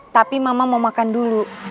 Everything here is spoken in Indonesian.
tapi mama mau makan dulu